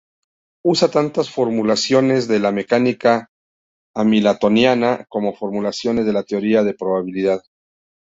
Usa tanto formulaciones de la mecánica hamiltoniana como formulaciones de la teoría de probabilidad.